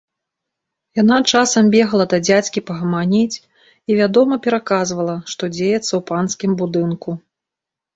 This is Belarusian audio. Яна часам бегала да дзядзькі пагаманіць і, вядома, пераказвала, што дзеецца ў панскім будынку.